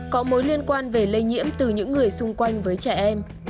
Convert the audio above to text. có mối liên quan về lây nhiễm từ những người xung quanh với trẻ em